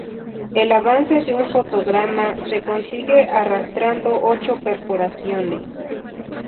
El avance de un fotograma se consigue arrastrando ocho perforaciones.